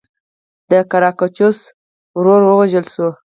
د ګراکچوس ورور ووژل شو.